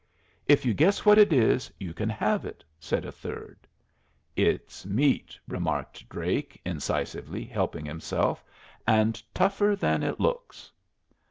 "If you guess what it is, you can have it," said a third. "It's meat," remarked Drake, incisively, helping himself; "and tougher than it looks."